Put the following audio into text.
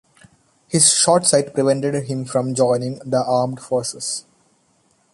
His short sight prevented him from joining the Armed Forces.